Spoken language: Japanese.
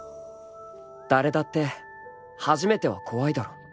［誰だって初めては怖いだろう］